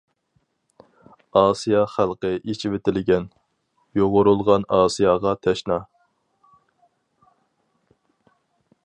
ئاسىيا خەلقى ئېچىۋېتىلگەن، يۇغۇرۇلغان ئاسىياغا تەشنا.